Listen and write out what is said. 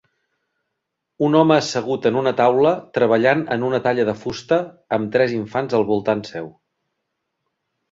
Un home assegut en una taula treballant en una talla de fusta amb tres infants al voltant seu.